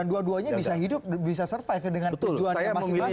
dan dua duanya bisa hidup bisa survive ya dengan tujuan yang masing masing